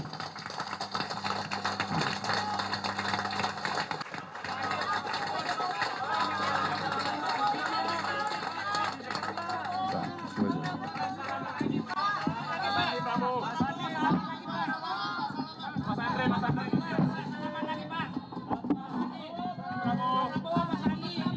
nah sekarang kita mulai